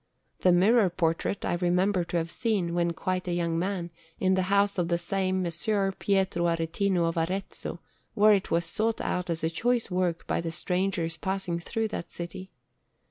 The mirror portrait I remember to have seen, when quite a young man, in the house of the same Messer Pietro Aretino at Arezzo, where it was sought out as a choice work by the strangers passing through that city.